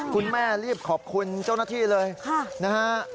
คุณแม่รีบขอบคุณเจ้าหน้าที่เลยนะฮะ